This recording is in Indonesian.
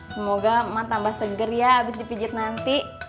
semoga mak tambah segar ya abis dipijit nanti